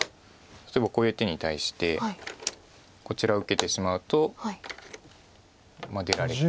例えばこういう手に対してこちら受けてしまうと出られて。